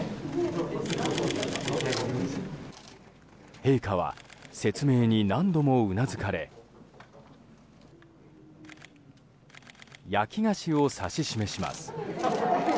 陛下は説明に何度もうなずかれ焼き菓子を指し示します。